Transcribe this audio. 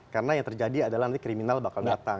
karena yang terjadi adalah nanti kriminal bakal datang